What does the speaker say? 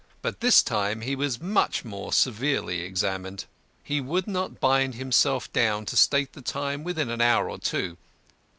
But this time he was much more severely examined. He would not bind himself down to state the time within an hour or two.